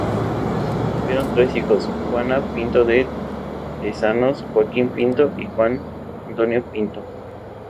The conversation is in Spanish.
Tuvieron tres hijos, Juana Pinto de Tezanos, Joaquín Pinto y Juan Antonio Pinto.